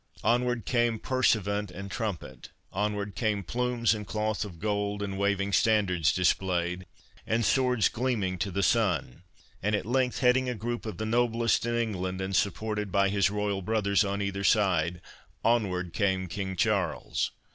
Onward came pursuivant and trumpet—onward came plumes and cloth of gold, and waving standards displayed, and swords gleaming to the sun; and at length, heading a group of the noblest in England, and supported by his royal brothers on either side, onward came King Charles.